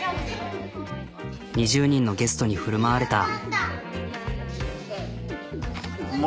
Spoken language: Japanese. ２０人のゲストに振る舞われた。